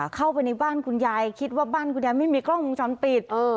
เข้าไปในบ้านคุณยายคิดว่าบ้านคุณยายไม่มีกล้องวงจรปิด